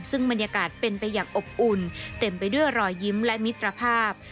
ซึ่งบรรยากาศเป็นไปอย่างอบอุ่นเต็มไปด้วยรอยยิ้มและมิตรภาพ